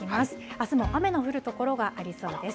あすも雨の降る所がありそうです。